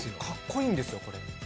かっこいいんですよこれ。